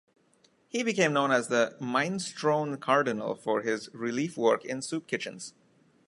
He became known as the "minestrone cardinal" for his relief work in soup kitchens.